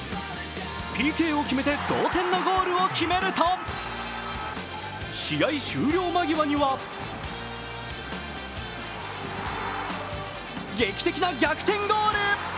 ＰＫを決めて同点のゴールを決めると試合終了間際には劇的な逆転ゴール。